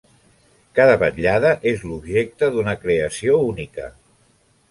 Cada vetllada és l'objecte d'una creació única.